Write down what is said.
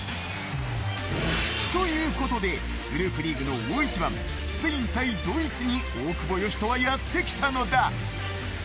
ということでグループリーグの大一番スペイン対ドイツに大久保嘉人は、やって来たのだ。